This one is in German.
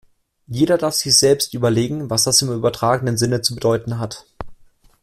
Jeder darf sich jetzt selbst überlegen, was das im übertragenen Sinne zu bedeuten hat.